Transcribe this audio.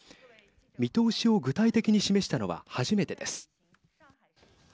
見通しを具体的に示したのは初めてです。